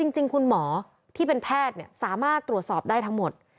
จริงคุณหมอที่เป็นแพทย์สามารถตรวจสอบได้ทั้งหมด